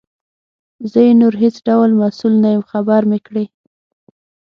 زه یې نور هیڅ ډول مسؤل نه یم خبر مي کړې.